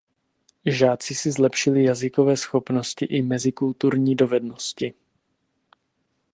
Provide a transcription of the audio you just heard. Žáci si zlepšili jazykové schopnosti i mezikulturní dovednosti.